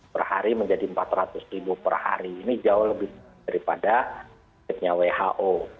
per hari menjadi empat ratus ribu per hari ini jauh lebih daripada who